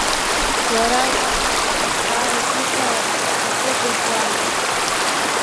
Лара уаҳа даҽа зҵаарак иҭара лзыгәаӷьуамызт.